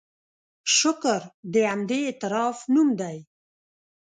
شکر د همدې اعتراف نوم دی.